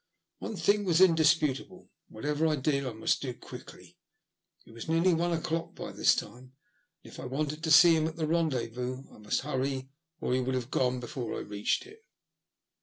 One thing was indisput able: whatever I did, I must do quickly. It was nearly one o'clock by this time, and if I wanted to see him at the rendezvous I must hurry, or he would have gone before I reached it.